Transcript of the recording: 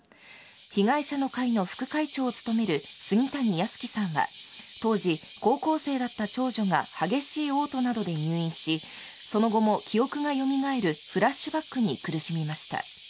被害者の会の副会長を務める杉谷安生さんは、当時、高校生だった長女が激しいおう吐などで入院し、その後も記憶がよみがえるフラッシュバックに苦しみました。